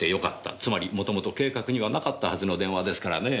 つまり元々計画にはなかったはずの電話ですからねえ。